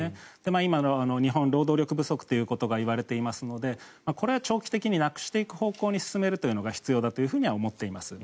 今の日本は労働力不足ということが言われていますのでこれは長期的になくしていく方向に進めていくのが必要だというふうには思っています。